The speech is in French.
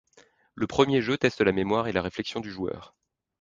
Le premier jeu teste la mémoire et la réflexion du joueur.